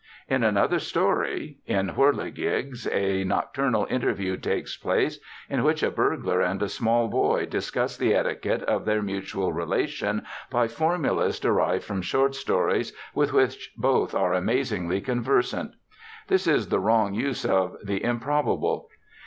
In another story, in "Whirligigs," a nocturnal interview takes place in which a burglar and a small boy discuss the etiquette of their mutual relation by formulas derived from short stories with which both are amazingly conversant. This is the wrong use of the improbable.